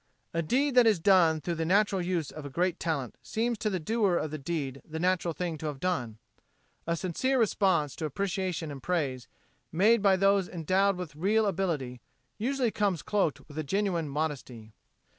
A deed that is done through the natural use of a great talent seems to the doer of the deed the natural thing to have done. A sincere response to appreciation and praise, made by those endowed with real ability, usually comes cloaked in a genuine modesty.